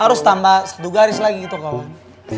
harus tambah satu garis lagi gitu kawan